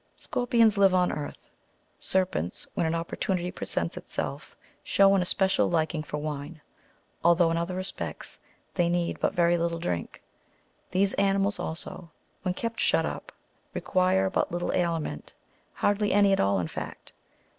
Scorpions live on earth. Serpents, when an opportunity presents itself, show an especial liking for wine, although in other respects they need but very little drink. These animals, also, when kept shut up, require but little aliment, hardly any at all, in fact.